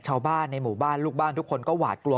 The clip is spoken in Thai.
ชาวบ้านในหมู่บ้านลูกบ้านทุกคนก็หวาดกลัว